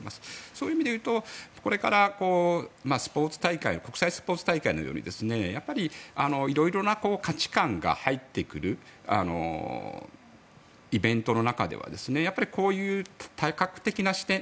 そういう意味では、これから国際スポーツ大会のように色々な価値観が入ってくるイベントの中ではこういう多角的な視点